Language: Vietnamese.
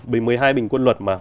bình một mươi hai bình quân luật mà